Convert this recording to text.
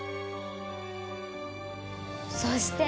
そして。